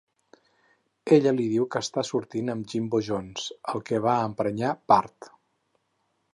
Ella li diu que està sortint amb Jimbo Jones, el que va emprenyar Bart.